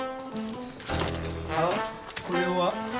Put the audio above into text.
あっこれは？